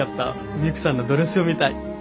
ミユキさんのドレスを見たい。